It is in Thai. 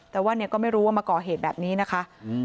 แต่ว่าเนี่ยก็ไม่รู้ว่ามาก่อเหตุแบบนี้นะคะ